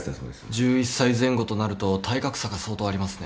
１１歳前後となると体格差が相当ありますね。